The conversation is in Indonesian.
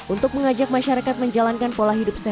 untuk mengajak masyarakat menjalankan pola hidup sehat